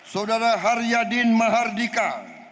saudara haryadin mahardika